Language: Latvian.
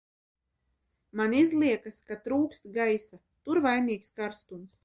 Man izliekas, ka trūkst gaisa – tur vainīgs karstums.